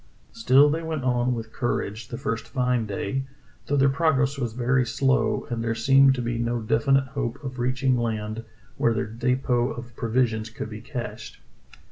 Still they went on with courage the first fine day, though their progress was very slow, and there seemed to be no definite hope of reaching land where their depot of provisions could be cached.